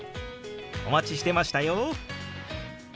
お待ちしてましたよ！